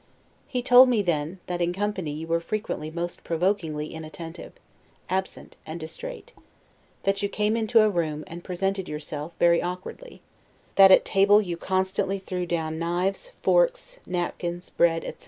He told me then, that in company you were frequently most PROVOKINGLY inattentive, absent; and distrait; that you came into a room, and presented yourself, very awkwardly; that at table you constantly threw down knives, forks, napkins, bread, etc.